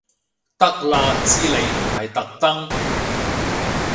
得啦知你唔係特登